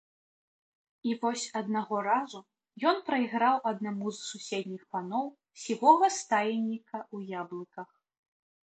І вось аднаго разу ён прайграў аднаму з суседніх паноў сівога стаенніка ў яблыках.